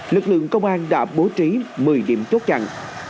lực lượng công an đã bố trí một mươi điểm chốt chặn